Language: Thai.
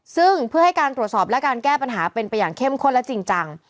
ซึ่งเพื่อให้การตรวจสอบและการแก้ปัญหาเป็นไปอย่างเข้มข้นและจริงจัง